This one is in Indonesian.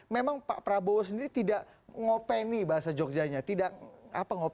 memang pak prabowo sendiri tidak ngopeni bahasa jogjanya